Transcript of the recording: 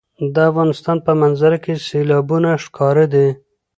د افغانستان په منظره کې سیلابونه ښکاره دي.